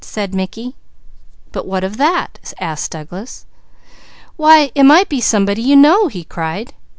said Mickey. "But what of that?" asked Douglas. "Why it might be somebody you know!" he cried.